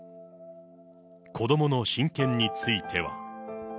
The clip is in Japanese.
子どもの親権については。